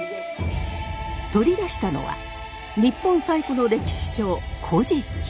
取り出したのは日本最古の歴史書「古事記」。